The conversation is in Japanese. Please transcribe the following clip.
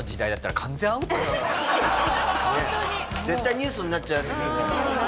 絶対ニュースになっちゃうやつですよね。